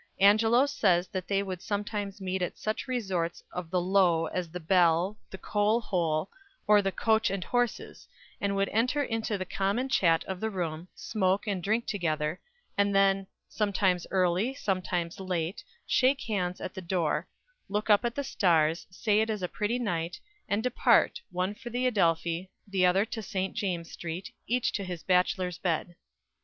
Angelo says that they would sometimes meet at such resorts of the "low" as the Bell, the Coal Hole, or the Coach and Horses, and would enter into the common chat of the room, smoke and drink together, and then "sometimes early, sometimes late, shake hands at the door look up at the stars, say it is a pretty night, and depart, one for the Adelphi, the other to St. James's Street, each to his bachelor's bed."